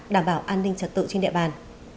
đảm bảo an ninh trật tự trên địa bàn